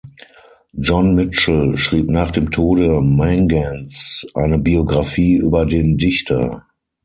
John Mitchel schrieb nach dem Tode Mangans eine Biographie über den Dichter.